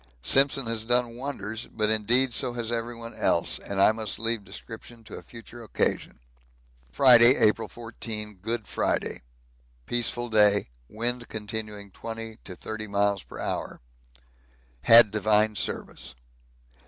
Simpson has done wonders, but indeed so has everyone else, and I must leave description to a future occasion. Friday, April 14. Good Friday. Peaceful day. Wind continuing 20 to 30 miles per hour. Had divine service.